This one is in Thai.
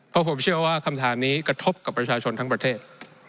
เพราะผมเชื่อว่าคำถามนี้กระทบกับประชาชนทั้งประเทศ